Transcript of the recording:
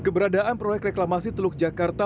keberadaan proyek reklamasi teluk jakarta